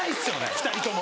２人とも。